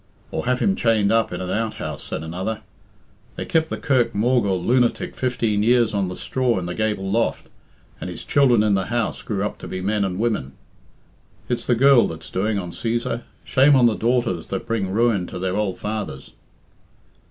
"Or have him chained up in an outhouse," said another. "They kept the Kirk Maug hold lunatic fifteen years on the straw in the gable loft, and his children in the house grew up to be men and women." "It's the girl that's doing on Cæsar. Shame on the daughters that bring ruin to their old fathers!"